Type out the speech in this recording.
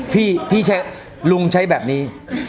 พี่ใช้ลุงใช้แบบนี้